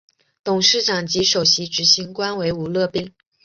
董事长及首席执行官为吴乐斌。